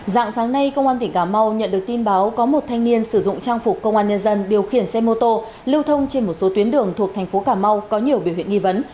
dạng sáng nay công an tỉnh cà mau nhận được tin báo có một thanh niên sử dụng trang phục công an nhân dân điều khiển xe mô tô lưu thông trên một số tuyến đường thuộc thành phố cà mau có nhiều biểu hiện nghi vấn